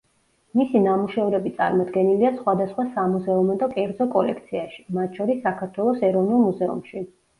მისი ნამუშევრები წარმოდგენილია სხვადასხვა სამუზეუმო და კერძო კოლექციაში, მათ შორის, საქართველოს ეროვნულ მუზეუმში.